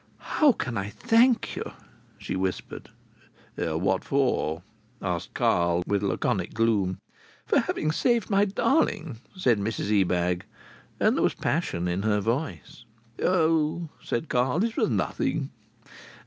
"How can I thank you!" she whispered. "What for?" asked Carl, with laconic gloom. "For having saved my darling!" said Mrs Ebag. And there was passion in her voice. "Oh!" said Carl. "It was nothing!"